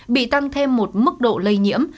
bị tăng thêm một mức độ lây nhiễm